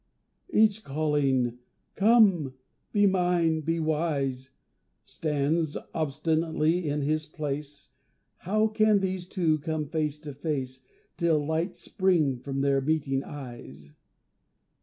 Each calling, "Come! be mine! be wise!" Stands obstinately in his place, How can these two come face to face, Till light spring from their meeting eyes?